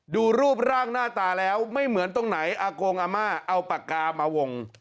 ดูรูปร่างหน้าตาแล้วไม่เหมือนตรงไหนอากงอาม่าเอาปากกามาวง